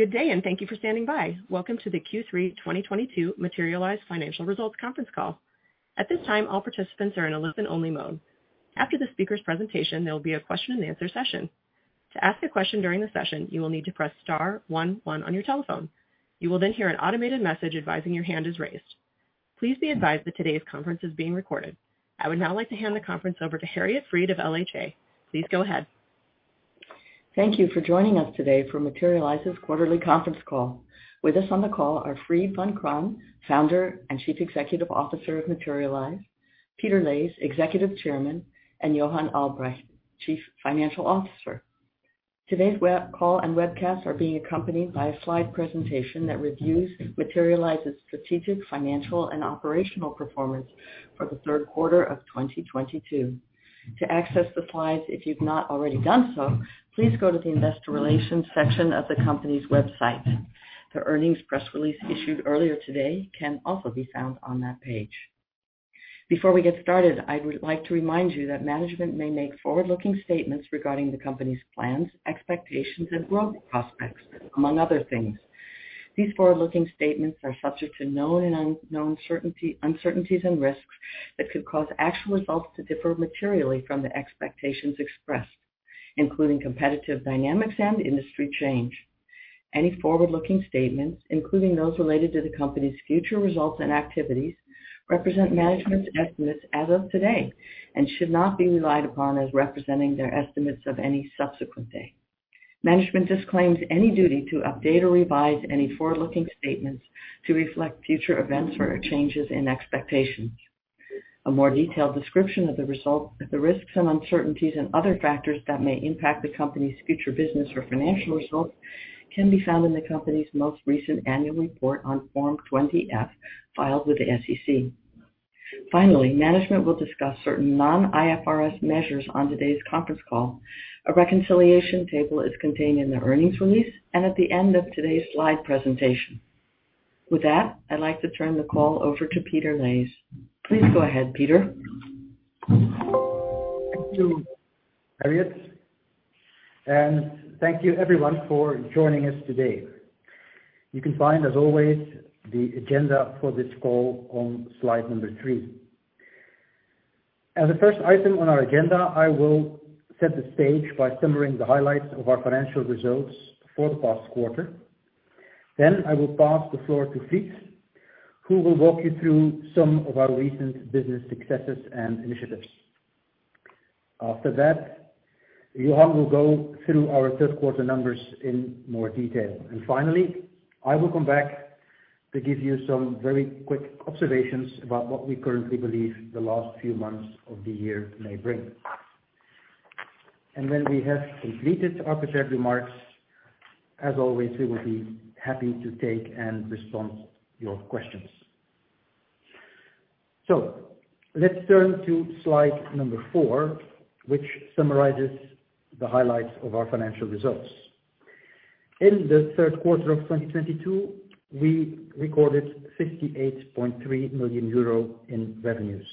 Good day, and thank you for standing by. Welcome to the Q3 2022 Materialise Financial Results Conference Call. At this time, all participants are in a listen-only mode. After the speaker's presentation, there'll be a question-and-answer session. To ask a question during the session, you will need to press star one on your telephone. You will then hear an automated message advising your hand is raised. Please be advised that today's conference is being recorded. I would now like to hand the conference over to Harriet Fried of LHA. Please go ahead. Thank you for joining us today for Materialise's Quarterly Conference Call. With us on the call are Fried Vancraen, Founder and Chief Executive Officer of Materialise, Peter Leys, Executive Chairman, and Johan Albrecht, Chief Financial Officer. Today's web call and webcast are being accompanied by a slide presentation that reviews Materialise's strategic, financial, and operational performance for the third quarter of 2022. To access the slides, if you've not already done so, please go to the investor relations section of the company's website. The earnings press release issued earlier today can also be found on that page. Before we get started, I would like to remind you that management may make forward-looking statements regarding the company's plans, expectations, and growth prospects, among other things. These forward-looking statements are subject to known and unknown uncertainties and risks that could cause actual results to differ materially from the expectations expressed, including competitive dynamics and industry change. Any forward-looking statements, including those related to the company's future results and activities, represent management's estimates as of today and should not be relied upon as representing their estimates of any subsequent day. Management disclaims any duty to update or revise any forward-looking statements to reflect future events or changes in expectations. A more detailed description of the results, the risks and uncertainties, and other factors that may impact the company's future business or financial results can be found in the company's most recent annual report on Form 20-F, filed with the SEC. Finally, management will discuss certain non-IFRS measures on today's conference call. A reconciliation table is contained in the earnings release and at the end of today's slide presentation. With that, I'd like to turn the call over to Peter Leys. Please go ahead, Peter. Thank you, Harriet, and thank you everyone for joining us today. You can find, as always, the agenda for this call on slide number three. As the first item on our agenda, I will set the stage by summarizing the highlights of our financial results for the past quarter. I will pass the floor to Fried, who will walk you through some of our recent business successes and initiatives. After that, Johan will go through our third quarter numbers in more detail. Finally, I will come back to give you some very quick observations about what we currently believe the last few months of the year may bring. When we have completed our prepared remarks, as always, we will be happy to take and respond to your questions. Let's turn to slide number four, which summarizes the highlights of our financial results. In the third quarter of 2022, we recorded 58.3 million euro in revenues,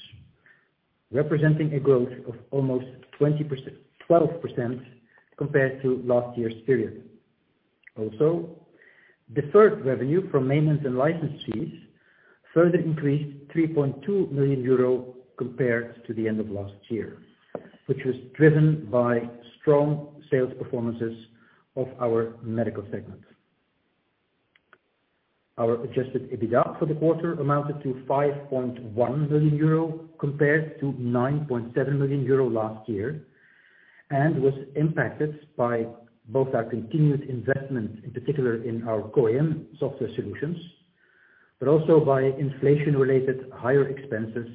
representing a growth of 12% compared to last year's period. Also, deferred revenue from maintenance and licenses further increased 3.2 million euro compared to the end of last year, which was driven by strong sales performances of our medical segment. Our Adjusted EBITDA for the quarter amounted to 5.1 million euro compared to 9.7 million euro last year, and was impacted by both our continued investment, in particular in our GOM software solutions, but also by inflation-related higher expenses,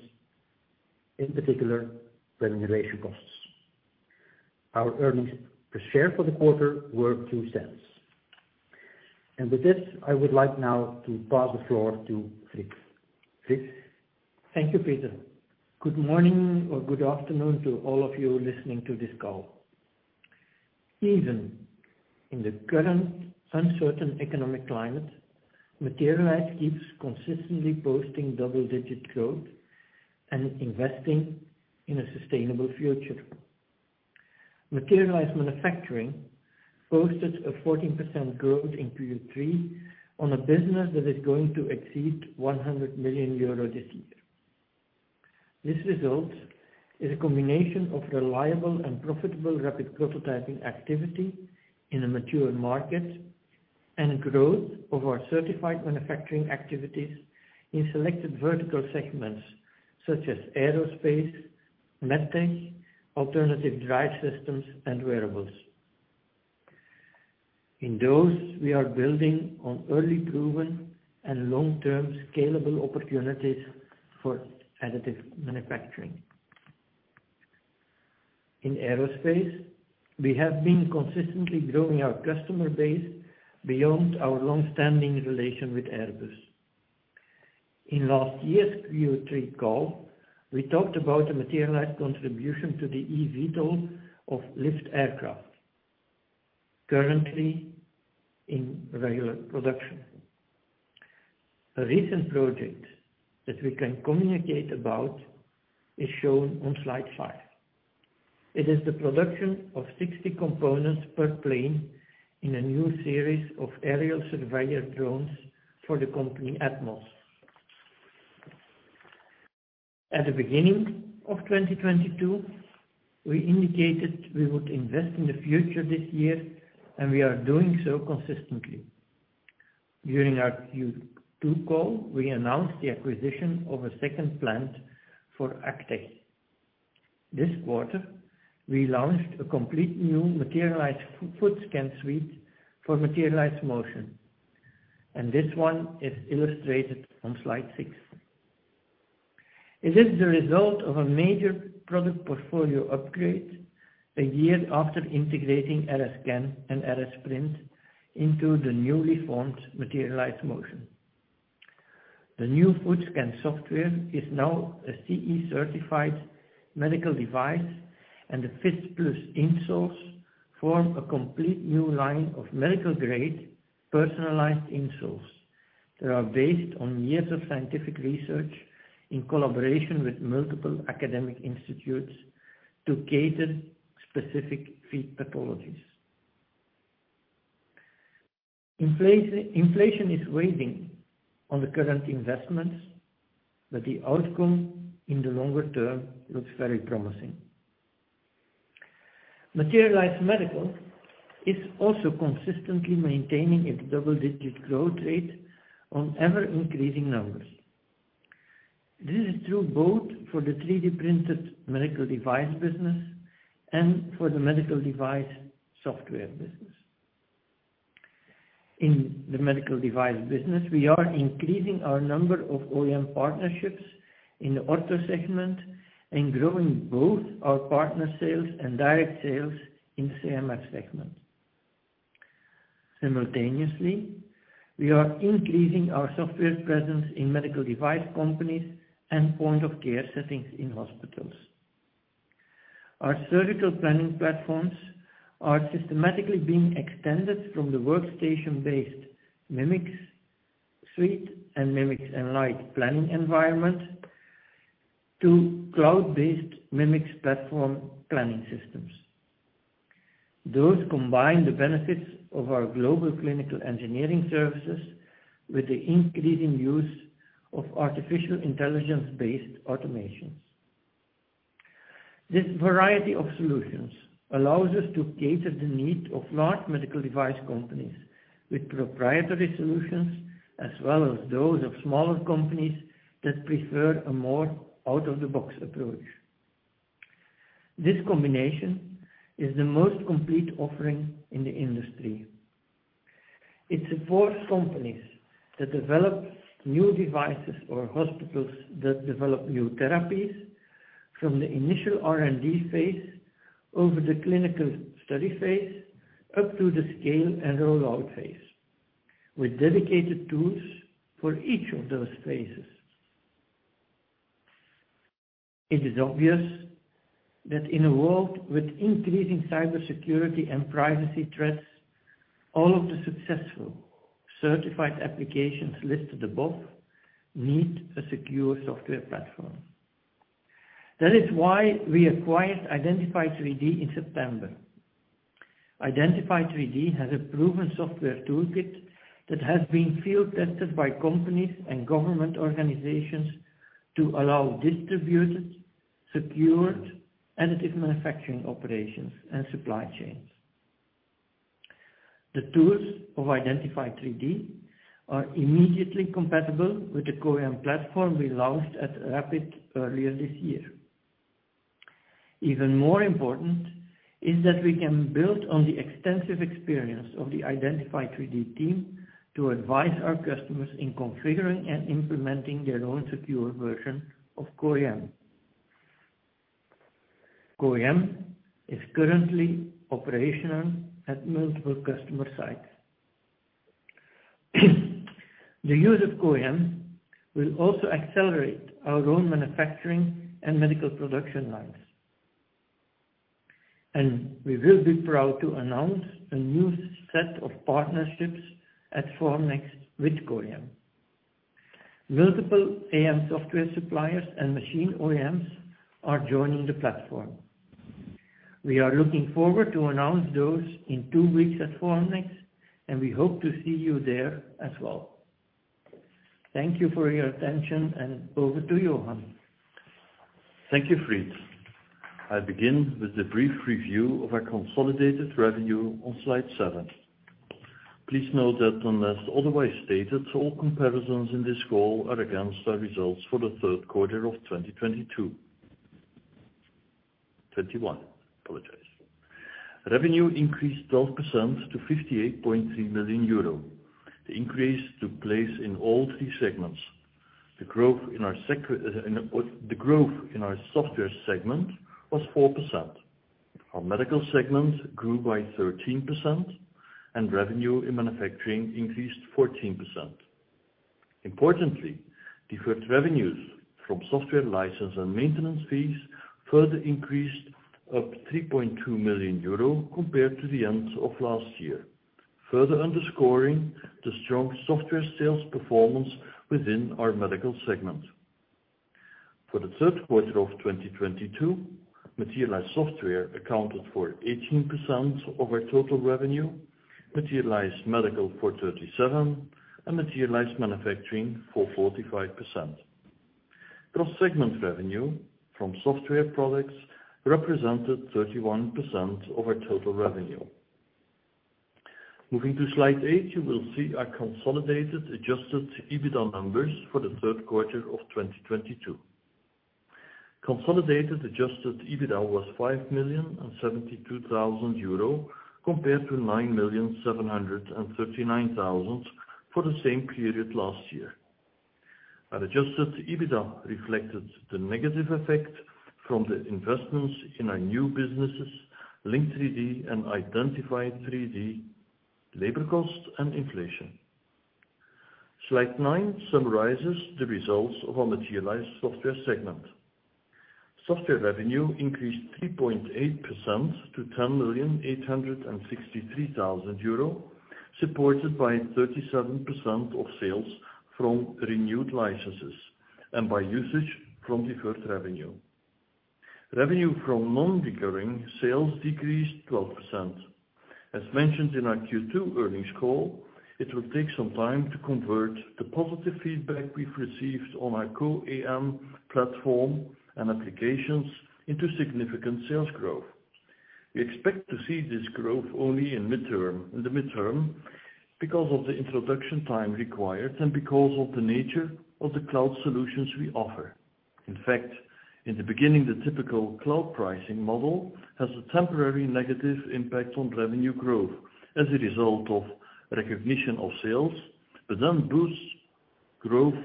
in particular remuneration costs. Our earnings per share for the quarter were 0.02. With this, I would like now to pass the floor to Fried. Fried? Thank you, Peter. Good morning or good afternoon to all of you listening to this call. Even in the current uncertain economic climate, Materialise keeps consistently posting double-digit growth and investing in a sustainable future. Materialise Manufacturing posted a 14% growth in Q3 on a business that is going to exceed 100 million euro this year. This result is a combination of reliable and profitable rapid prototyping activity in a mature market and growth of our certified manufacturing activities in selected vertical segments such as aerospace, med tech, alternative drive systems, and wearables. In those, we are building on early proven and long-term scalable opportunities for additive manufacturing. In aerospace, we have been consistently growing our customer base beyond our long-standing relation with Airbus. In last year's Q3 call, we talked about the Materialise contribution to the eVTOL of LIFT Aircraft, currently in regular production. A recent project that we can communicate about is shown on slide five. It is the production of 60 components per plane in a new series of aerial surveyor drones for the company Atmos. At the beginning of 2022, we indicated we would invest in the future this year, and we are doing so consistently. During our Q2 call, we announced the acquisition of a second plant for ACTech. This quarter, we launched a complete new Materialise Footscan Suite for Materialise Motion, and this one is illustrated on slide six. It is the result of a major product portfolio upgrade a year after integrating RSscan and RS Print into the newly formed Materialise Motion. The new foot scan software is now a CE-certified medical device, and the Phits+ insoles form a complete new line of medical-grade personalized insoles that are based on years of scientific research in collaboration with multiple academic institutes to cater specific feet pathologies. Inflation is weighing on the current investments, but the outcome in the longer term looks very promising. Materialise Medical is also consistently maintaining its double-digit growth rate on ever-increasing numbers. This is true both for the 3D printed medical device business and for the medical device software business. In the medical device business, we are increasing our number of OEM partnerships in the ortho segment and growing both our partner sales and direct sales in the CMF segment. Simultaneously, we are increasing our software presence in medical device companies and point-of-care settings in hospitals. Our surgical planning platforms are systematically being extended from the workstation-based Mimics Suite and Mimics Enlight planning environment to cloud-based Mimics platform planning systems. Those combine the benefits of our global clinical engineering services with the increasing use of artificial intelligence-based automations. This variety of solutions allows us to cater to the need of large medical device companies with proprietary solutions, as well as those of smaller companies that prefer a more out-of-the-box approach. This combination is the most complete offering in the industry. It supports companies that develop new devices or hospitals that develop new therapies from the initial R&D phase over the clinical study phase up to the scale and rollout phase, with dedicated tools for each of those phases. It is obvious that in a world with increasing cybersecurity and privacy threats, all of the successful certified applications listed above need a secure software platform. That is why we acquired Identify3D in September. Identify3D has a proven software toolkit that has been field tested by companies and government organizations to allow distributed, secured, additive manufacturing operations and supply chains. The tools of Identify3D are immediately compatible with the CO-AM platform we launched at Rapid earlier this year. Even more important is that we can build on the extensive experience of the Identify3D team to advise our customers in configuring and implementing their own secure version of CO-AM. CO-AM is currently operational at multiple customer sites. The use of CO-AM will also accelerate our own manufacturing and medical production lines. We will be proud to announce a new set of partnerships at Formnext with CO-AM. Multiple AM software suppliers and machine OEMs are joining the platform. We are looking forward to announce those in two weeks at Formnext, and we hope to see you there as well. Thank you for your attention, and over to Johan. Thank you, Fried. I begin with a brief review of our consolidated revenue on slide seven. Please note that unless otherwise stated, all comparisons in this call are against our results for the third quarter of 2021. I apologize. Revenue increased 12% to 58.3 million euro. The increase took place in all three segments. The growth in our software segment was 4%. Our medical segment grew by 13%, and revenue in manufacturing increased 14%. Importantly, deferred revenues from software license and maintenance fees further increased by 3.2 million euro compared to the end of last year, further underscoring the strong software sales performance within our medical segment. For the third quarter of 2022, Materialise Software accounted for 18% of our total revenue, Materialise Medical for 37%, and Materialise Manufacturing for 45%. Cross-segment revenue from software products represented 31% of our total revenue. Moving to slide eight, you will see our consolidated Adjusted EBITDA numbers for the third quarter of 2022. Consolidated Adjusted EBITDA was 5.072 million, compared to 9.739 million for the same period last year. Our Adjusted EBITDA reflected the negative effect from the investments in our new businesses, Link3D and Identify3D, labor cost, and inflation. Slide nine summarizes the results of our Materialise Software segment. Software revenue increased 3.8% to 10.863 million, supported by 37% of sales from renewed licenses and by usage from deferred revenue. Revenue from non-recurring sales decreased 12%. As mentioned in our Q2 earnings call, it will take some time to convert the positive feedback we've received on our CO-AM platform and applications into significant sales growth. We expect to see this growth only in the midterm because of the introduction time required and because of the nature of the cloud solutions we offer. In fact, in the beginning, the typical cloud pricing model has a temporary negative impact on revenue growth as a result of recognition of sales, but then boosts growth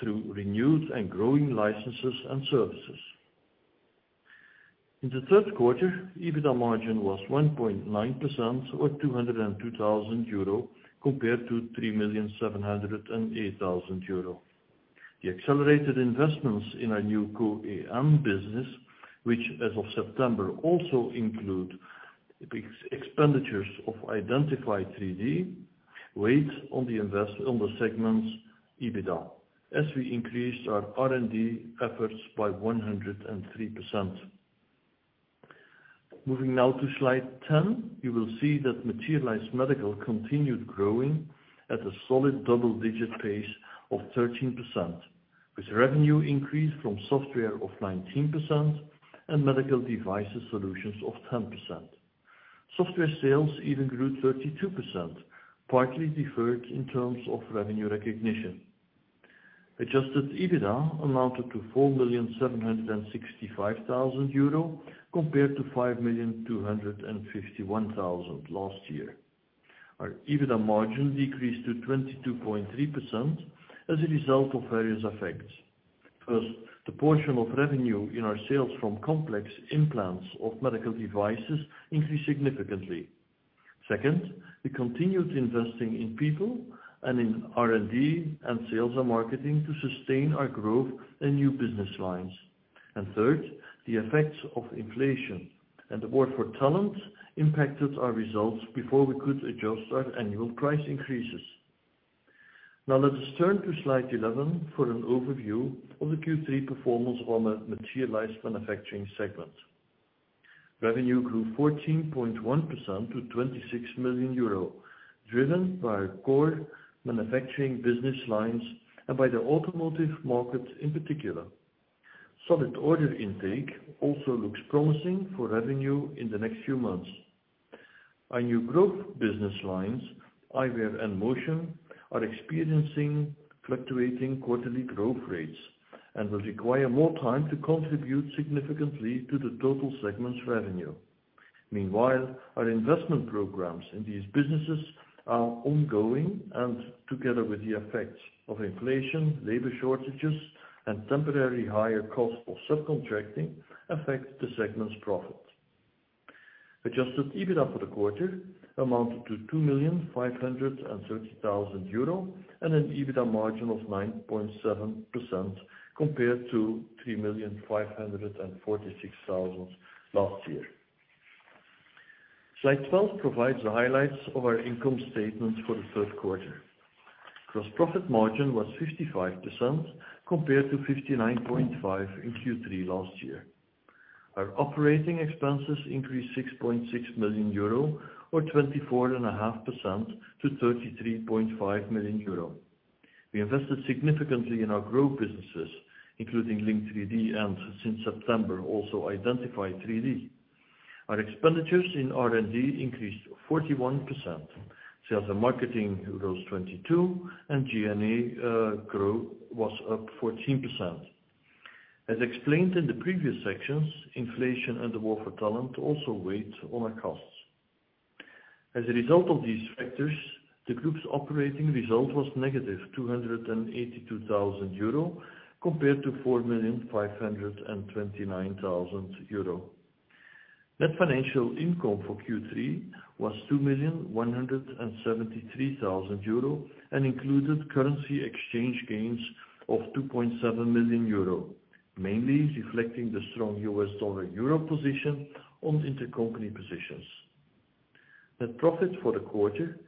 through renewed and growing licenses and services. In the third quarter, EBITDA margin was 1.9% or 202,000 euro, compared to 3.708 million euro. The accelerated investments in our new CO-AM business, which, as of September, also include expenditures of Identify3D, weighed on the segment's EBITDA as we increased our R&D efforts by 103%. Moving now to slide 10, you will see that Materialise Medical continued growing at a solid double-digit pace of 13%, with revenue increase from software of 19% and medical devices solutions of 10%. Software sales even grew 32%, partly deferred in terms of revenue recognition. Adjusted EBITDA amounted to 4.765 million euro compared to 5.251 million last year. Our EBITDA margin decreased to 22.3% as a result of various effects. First, the portion of revenue in our sales from complex implants of medical devices increased significantly. Second, we continued investing in people and in R&D and sales and marketing to sustain our growth in new business lines. Third, the effects of inflation and the war for talent impacted our results before we could adjust our annual price increases. Now let us turn to slide 11 for an overview of the Q3 performance of our Materialise Manufacturing segment. Revenue grew 14.1% to 26 million euro, driven by our core manufacturing business lines and by the automotive market in particular. Solid order intake also looks promising for revenue in the next few months. Our new growth business lines, Eyewear and Motion, are experiencing fluctuating quarterly growth rates and will require more time to contribute significantly to the total segment's revenue. Meanwhile, our investment programs in these businesses are ongoing, and together with the effects of inflation, labor shortages, and temporarily higher cost of subcontracting, affect the segment's profit. Adjusted EBITDA for the quarter amounted to 2.53 million euro and an EBITDA margin of 9.7% compared to 3.546 million last year. Slide 12 provides the highlights of our income statement for the third quarter. Gross profit margin was 55% compared to 59.5% in Q3 last year. Our operating expenses increased 6.6 million euro or 24.5% to 33.5 million euro. We invested significantly in our growth businesses, including Link3D and, since September, also Identify3D. Our expenditures in R&D increased 41%. Sales and marketing rose 22%, and G&A growth was up 14%. As explained in the previous sections, inflation and the war for talent also weighed on our costs. As a result of these factors, the group's operating result was negative 282,000 euro compared to 4,529,000 euro. Net financial income for Q3 was 2,173,000 euro and included currency exchange gains of 2.7 million euro, mainly reflecting the strong U.S. dollar/euro position on intercompany positions. Net profit for the quarter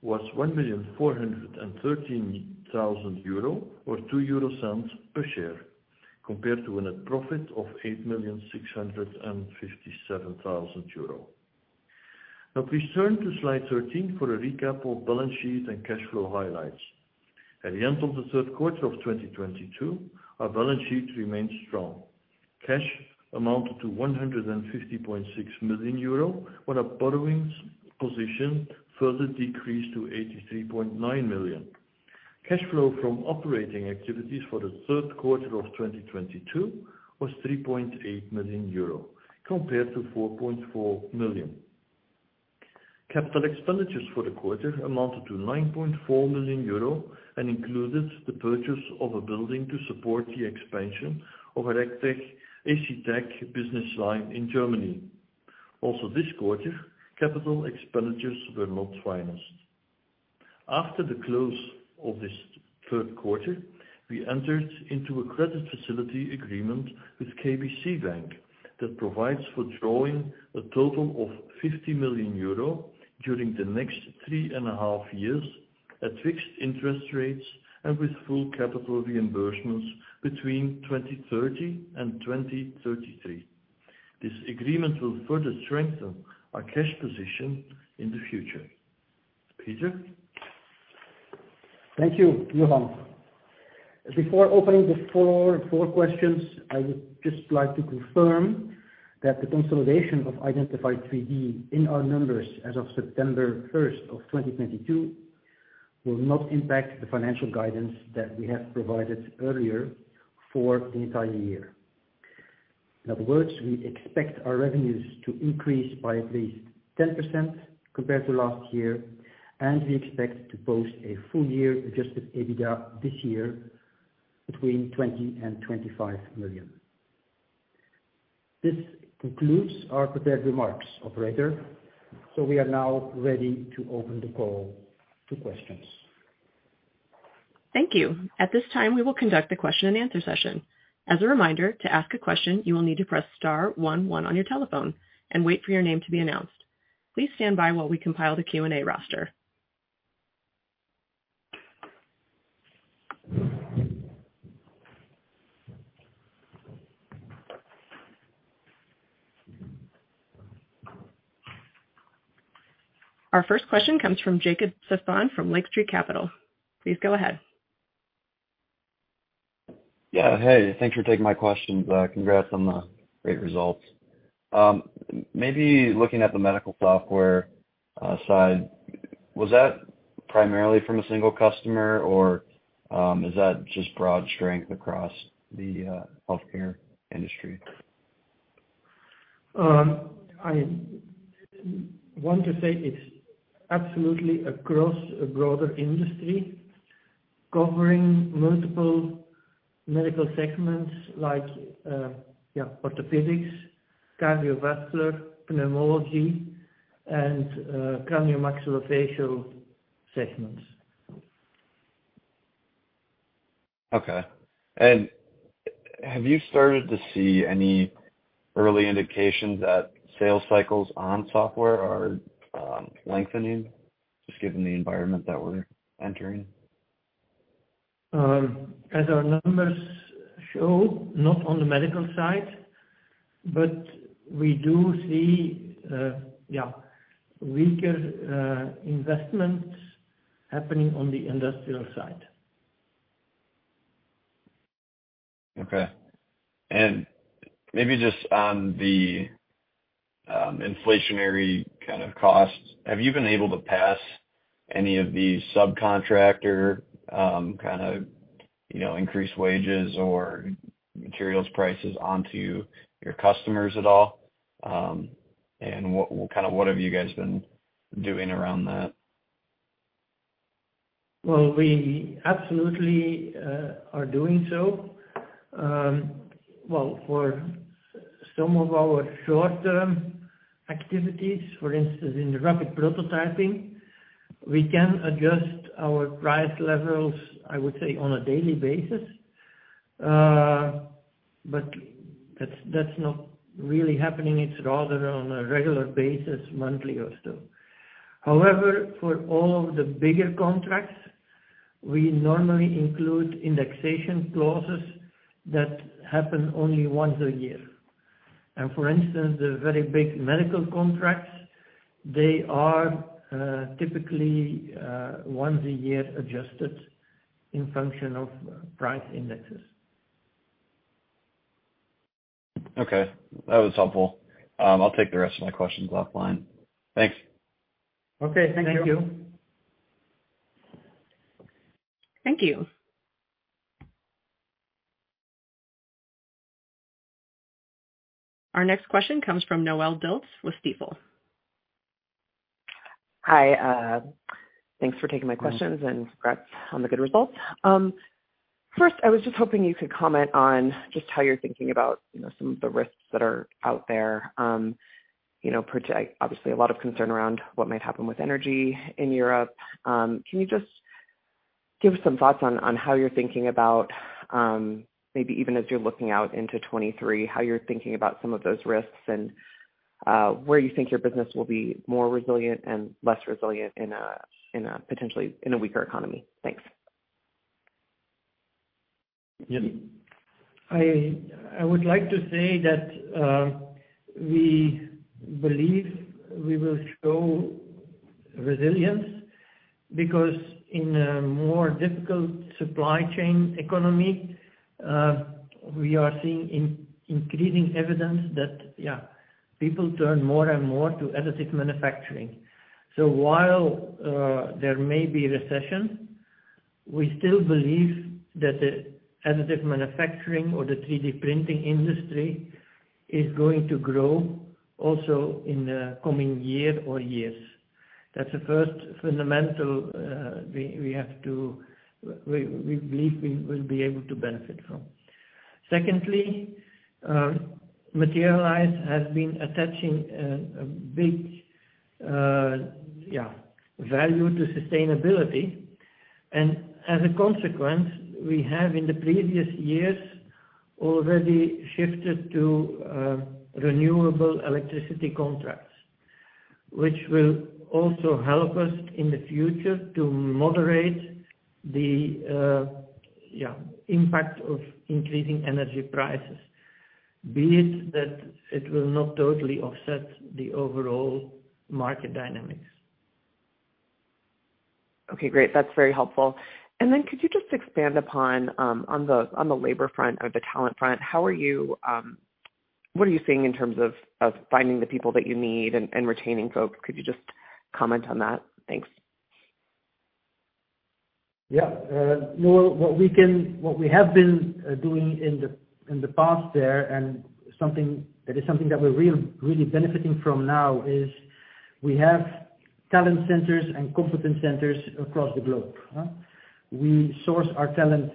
was 1,413,000 euro or 0.02 per share, compared to a net profit of 8,657,000 euro. Now please turn to slide 13 for a recap of balance sheet and cash flow highlights. At the end of the third quarter of 2022, our balance sheet remained strong. Cash amounted to 150.6 million euro on a borrowings position, further decreased to 83.9 million. Cash flow from operating activities for the third quarter of 2022 was 3.8 million euro, compared to 4.4 million. Capital expenditures for the quarter amounted to 9.4 million euro and included the purchase of a building to support the expansion of the ACTech business line in Germany. Also this quarter, capital expenditures were not financed. After the close of this third quarter, we entered into a credit facility agreement with KBC Bank that provides for drawing a total of 50 million euro during the next three and a half years at fixed interest rates and with full capital reimbursements between 2030 and 2033. This agreement will further strengthen our cash position in the future. Peter? Thank you, Johan. Before opening the floor for questions, I would just like to confirm that the consolidation of Identify3D in our numbers as of September 1st of 2022 will not impact the financial guidance that we have provided earlier for the entire year. In other words, we expect our revenues to increase by at least 10% compared to last year, and we expect to post a full year Adjusted EBITDA this year between 20 million and 25 million. This concludes our prepared remarks, operator, so we are now ready to open the call to questions. Thank you. At this time, we will conduct a question and answer session. As a reminder, to ask a question, you will need to press star one one on your telephone and wait for your name to be announced. Please stand by while we compile the Q&A roster. Our first question comes from Jacob Stephan from Lake Street Capital. Please go ahead. Yeah. Hey, thanks for taking my questions. Congrats on the great results. Maybe looking at the medical software side, was that primarily from a single customer or is that just broad strength across the healthcare industry? I want to say it's absolutely across a broader industry, covering multiple medical segments like orthopedics, cardiovascular, pulmonology, and craniomaxillofacial segments.1 Okay. Have you started to see any early indications that sales cycles on software are lengthening, just given the environment that we're entering? As our numbers show, not on the medical side, but we do see weaker investments happening on the industrial side. Okay. Maybe just on the inflationary kind of costs, have you been able to pass any of these subcontractor kind of, you know, increased wages or materials prices onto your customers at all? What have you guys been doing around that? Well, we absolutely are doing so. Well, for some of our short-term activities, for instance, in the rapid prototyping, we can adjust our price levels, I would say, on a daily basis. But that's not really happening. It's rather on a regular basis, monthly or so. However, for all of the bigger contracts, we normally include indexation clauses that happen only once a year. For instance, the very big medical contracts, they are typically once a year adjusted in function of price indexes. Okay, that was helpful. I'll take the rest of my questions offline. Thanks. Okay. Thank you. Thank you. Our next question comes from Noelle Dilts with Stifel. Hi, thanks for taking my questions and congrats on the good results. First, I was just hoping you could comment on just how you're thinking about, you know, some of the risks that are out there. You know, obviously a lot of concern around what might happen with energy in Europe. Can you just give some thoughts on how you're thinking about, maybe even as you're looking out into 2023, how you're thinking about some of those risks and, where you think your business will be more resilient and less resilient in a, in a potentially in a weaker economy? Thanks. I would like to say that we believe we will show resilience because in a more difficult supply chain economy, we are seeing increasing evidence that people turn more and more to additive manufacturing. While there may be a recession, we still believe that the additive manufacturing or the 3D printing industry is going to grow also in the coming year or years. That's the first fundamental we believe we will be able to benefit from. Secondly, Materialise has been attaching a big value to sustainability. As a consequence, we have in the previous years already shifted to renewable electricity contracts, which will also help us in the future to moderate the impact of increasing energy prices, be it that it will not totally offset the overall market dynamics. Okay, great. That's very helpful. Could you just expand upon the labor front or the talent front? What are you seeing in terms of finding the people that you need and retaining folks? Could you just comment on that? Thanks. No, what we have been doing in the past there, and something that we're really benefiting from now is we have talent centers and competence centers across the globe. We source our talent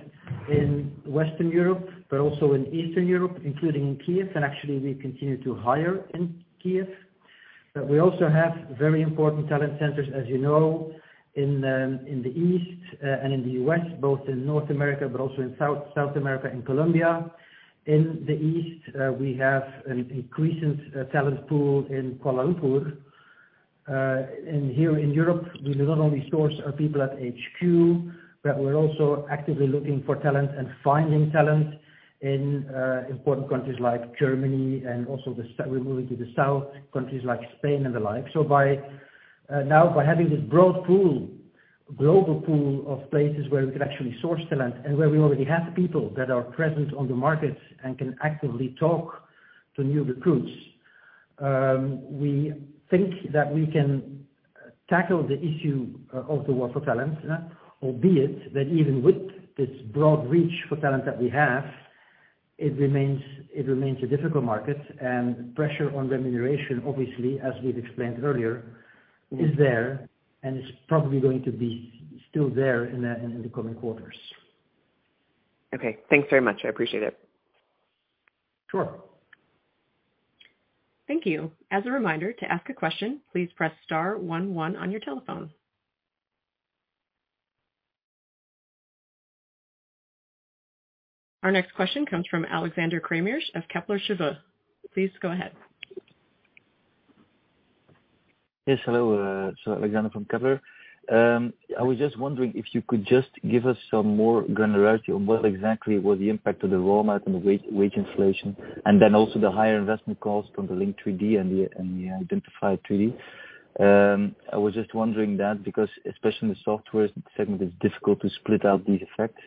in Western Europe, but also in Eastern Europe, including in Kyiv. Actually we continue to hire in Kyiv. But we also have very important talent centers, as you know, in the East and in the West, both in North America, but also in South America, in Colombia. In the East, we have an increasing talent pool in Kuala Lumpur. Here in Europe, we do not only source our people at HQ, but we're also actively looking for talent and finding talent in important countries like Germany and also we're moving to the south, countries like Spain and the like. By now by having this broad pool, global pool of places where we can actually source talent and where we already have people that are present on the markets and can actively talk to new recruits, we think that we can tackle the issue of the war for talent. Albeit that even with this broad reach for talent that we have, it remains a difficult market. Pressure on remuneration, obviously, as we've explained earlier, is there and is probably going to be still there in the coming quarters. Okay. Thanks very much. I appreciate it. Sure. Thank you. As a reminder, to ask a question, please press star one one on your telephone. Our next question comes from Alexander Craeymeersch of Kepler Cheuvreux. Please go ahead. Yes, hello, Alexander from Kepler. I was just wondering if you could just give us some more granularity on what exactly was the impact of the raw material and wage inflation, and then also the higher investment costs from the Link3D and the Identify3D. I was just wondering that because especially in the software segment, it's difficult to split out these effects.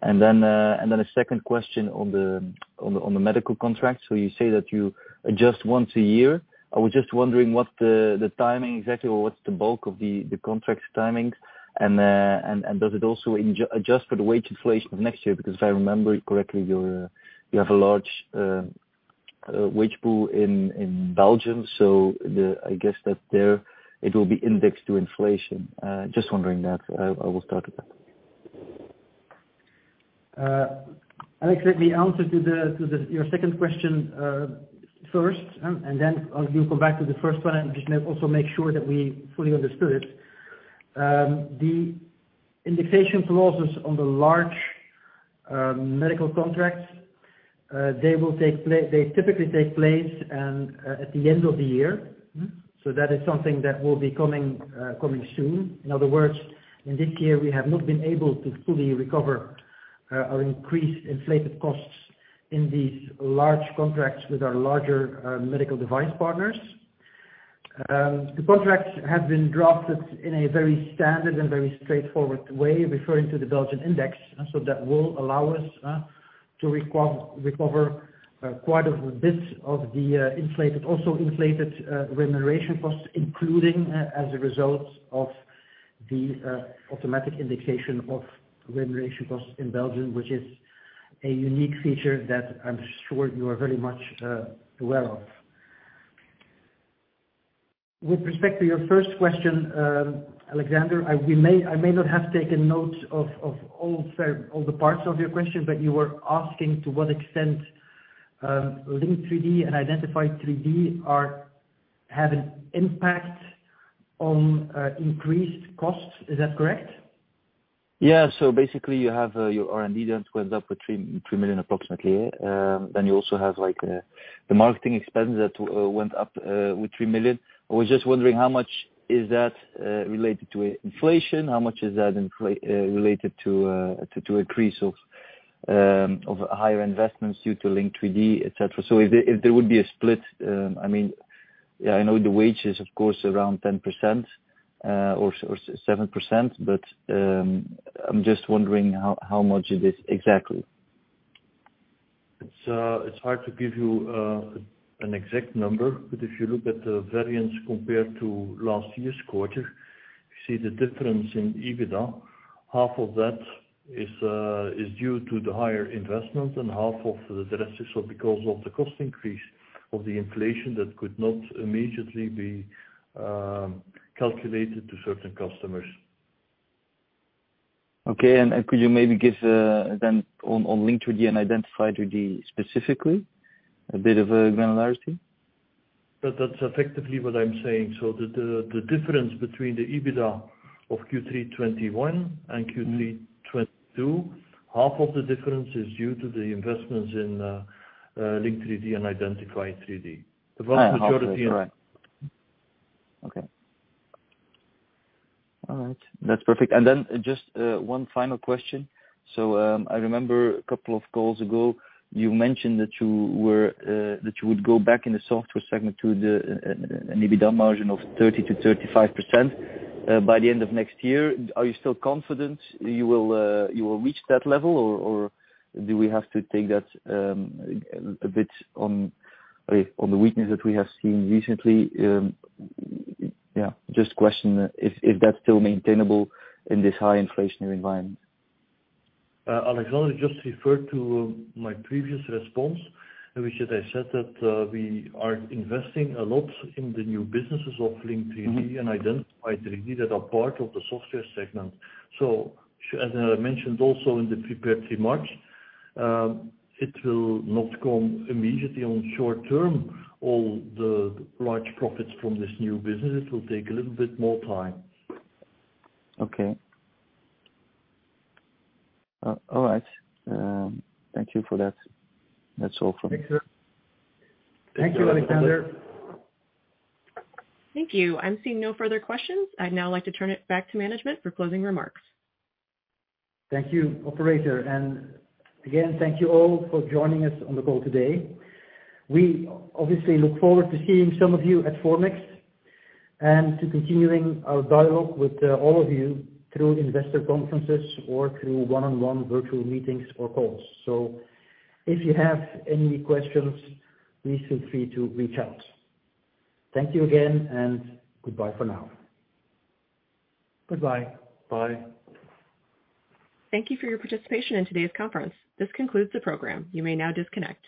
Then a second question on the medical contracts. You say that you adjust once a year. I was just wondering what the timing exactly or what's the bulk of the contract timings and does it also adjust for the wage inflation of next year? Because if I remember correctly, you have a large wage pool in Belgium, so the I guess that there it will be indexed to inflation. Just wondering that. I will start with that. Alex, let me answer your second question first, and then we'll go back to the first one and just also make sure that we fully understood. The indication clauses on the large medical contracts, they typically take place at the end of the year. Mm-hmm. That is something that will be coming soon. In other words, in this year, we have not been able to fully recover our increased inflated costs in these large contracts with our larger medical device partners. The contracts have been drafted in a very standard and very straightforward way, referring to the Belgian index. That will allow us to recover quite a bit of the inflated remuneration costs, including as a result of the automatic indexation of remuneration costs in Belgium, which is a unique feature that I'm sure you are very much aware of. With respect to your first question, Alexander, I may not have taken notes of all the parts of your question. You were asking to what extent Link3D and Identify3D have an impact on increased costs. Is that correct? Yeah. Basically, you have your R&D that went up with 3 million approximately. You also have, like, the marketing expense that went up with 3 million. I was just wondering how much is that related to inflation, how much is that related to increase of higher investments due to Link3D, et cetera. If there would be a split, I mean, yeah, I know the wage is of course around 10% or 7%, but I'm just wondering how much it is exactly. It's hard to give you an exact number, but if you look at the variance compared to last year's quarter, you see the difference in EBITDA. Half of that is due to the higher investment and half of the rest is because of the cost increase of the inflation that could not immediately be calculated to certain customers. Okay, could you maybe give then on Link3D and Identify3D specifically a bit of a granularity? That's effectively what I'm saying. The difference between the EBITDA of Q3 2021 and Q3 2022, half of the difference is due to the investments in Link3D and Identify3D. The vast majority- Okay. All right. That's perfect. One final question. I remember a couple of calls ago you mentioned that you would go back in the software segment to an EBITDA margin of 30%-35% by the end of next year. Are you still confident you will reach that level or do we have to take that a bit on the weakness that we have seen recently? Just question if that's still maintainable in this high inflationary environment. Alexander, just refer to my previous response, in which I said that we are investing a lot in the new businesses of Link3D and Identify3D that are part of the software segment. As I mentioned also in the prepared remarks, it will not come immediately in the short term, all the large profits from this new business. It will take a little bit more time. Okay. All right. Thank you for that. That's all from me. Thank you. Thank you, Alexander. Thank you. I'm seeing no further questions. I'd now like to turn it back to management for closing remarks. Thank you, operator, and again, thank you all for joining us on the call today. We obviously look forward to seeing some of you at Formnext and to continuing our dialogue with all of you through investor conferences or through one-on-one virtual meetings or calls. If you have any questions, please feel free to reach out. Thank you again and goodbye for now. Goodbye. Bye. Thank you for your participation in today's conference. This concludes the program. You may now disconnect.